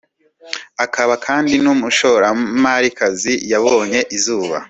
akaba kandi n’umushoramarikazi yabonye izuba